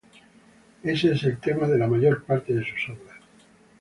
Ese es el tema de la mayor parte de sus obras.